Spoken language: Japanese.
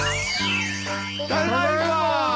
ただいま！